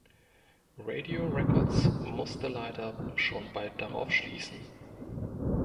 Radio Records musste leider schon bald darauf schließen.